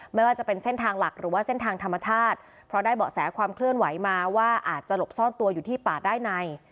ไม่ว่าจะเป็นเส้นทางหลักหรือว่าเส้นทางธรรมชาติเพราะได้เบาะแสความเคลื่อนไหวมาว่าอาจจะหลบซ่อนตัวอยู่ที่ป่าด้านใน